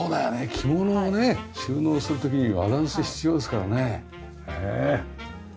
着物をね収納する時に和だんす必要ですからね。